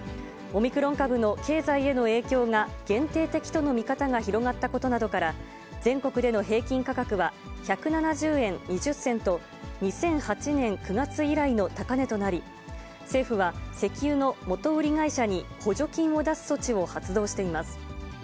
オミクロン株の経済への影響が限定的との見方が広がったことなどから、全国での平均価格は、１７０円２０銭と、２００８年９月以来の高値となり、政府は石油の元売り会社に補助金を出す措置を発動しています。